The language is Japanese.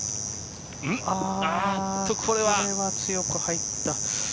これは強く入った。